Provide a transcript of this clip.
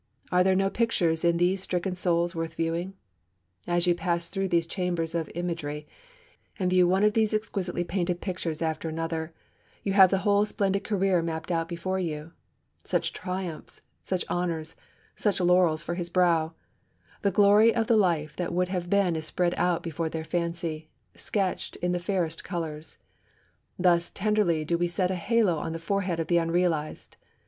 Are there no pictures in these stricken souls worth viewing? As you pass through these chambers of imagery, and view one of these exquisitely painted pictures after another, you have the whole splendid career mapped out before you. Such triumphs, such honours, such laurels for his brow! The glory of the life that would have been is spread out before their fancy, sketched in the fairest colours! Thus tenderly do we set a halo on the forehead of the unrealized!